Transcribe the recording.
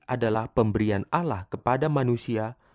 adalah pemberian allah kepada manusia